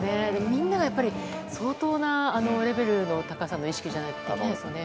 みんなが相当なレベルの高さの意識じゃないとですよね。